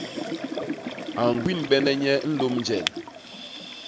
A ñgwinbene nye nlôm njel.